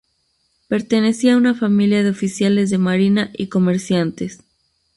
Pertenecía a una familia de Oficiales de Marina y Comerciantes.